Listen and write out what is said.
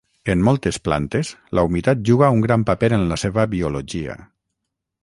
En moltes plantes la humitat juga un gran paper en la seva biologia.